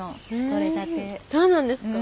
そうなんですか。